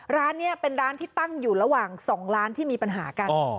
ร้านนี้เป็นร้านที่ตั้งอยู่ระหว่าง๒ร้านที่มีปัญหากัน